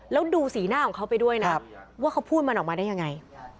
แล้วดูสีหน้าของเขาไปด้วยนะว่าเขาพูดมันออกมาได้ยังไง